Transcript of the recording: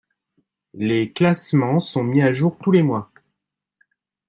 Les classements sont mis à jour tous les mois.